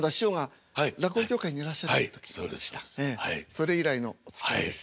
それ以来のおつきあいです。